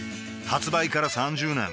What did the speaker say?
発売から３０年